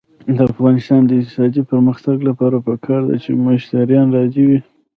د افغانستان د اقتصادي پرمختګ لپاره پکار ده چې مشتریان راضي وي.